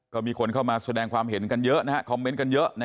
ก็มีคนเข้ามาแสดงความเห็นกันเยอะคอมเมนต์กันเยอะ